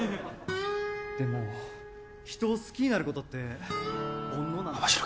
でも人を好きになることって煩悩なんじゃないの？